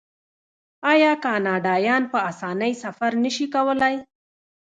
آیا کاناډایان په اسانۍ سفر نشي کولی؟